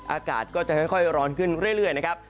อากาศก็จะค่อยร้อนขึ้นเรื่อยนะครับ